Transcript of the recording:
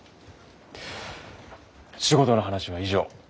仕事の話は以上。